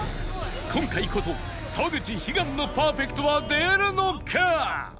今回こそ沢口悲願のパーフェクトは出るのか？